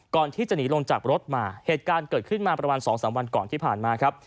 ก่อนที่จะหนีลงจากรถมาเหตุการณ์เกิดขึ้นมาประมาณสองสามวันก่อนที่ผ่านมาครับ